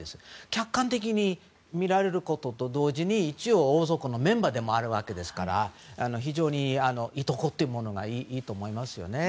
客観的に見られることと同時に一応、王族のメンバーでもあるわけですから非常に、いとこというのがいいと思いますよね。